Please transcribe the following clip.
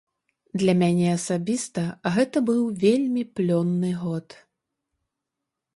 Для мяне асабіста гэта быў вельмі плённы год.